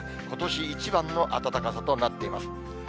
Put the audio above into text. ことし一番の暖かさとなっています。